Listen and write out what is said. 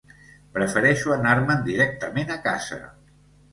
Prefereixo anar-me'n directament a casa.